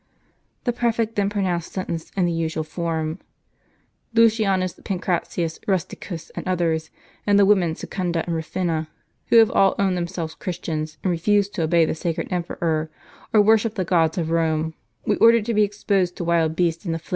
"t The prefect then pronounced sentence in the usual form. "Lucianus, Pancratius, Rusticus, and others, and the women Secunda and Rufina, who have all owned themselves Chris tians, and refuse to obey the sacred emperor, or worship the * This is mentioned as the extreme possible extension, f lb.